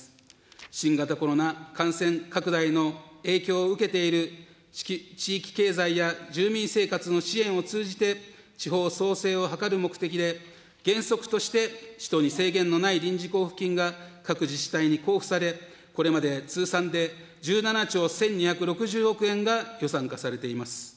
新型コロナ感染拡大の影響を受けている地域経済や住民生活の支援を通じて、地方創生を図る目的で、原則として使途に制限のない地方交付金が各自治体に交付され、これまで通算で１７兆１２６０億円が予算化されています。